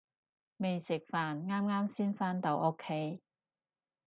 未食飯，啱啱先返到屋企